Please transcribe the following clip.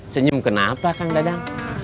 senyum kenapa kang dadang